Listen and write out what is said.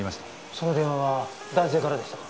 その電話は男性からでしたか？